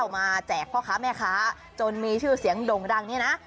มาแจกพ่อค้าแม่ค้าจนมีชื่อเสียงด่งดังเนี่ยนะ